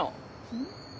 うん？